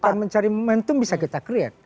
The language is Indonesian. bukan mencari momentum bisa kita create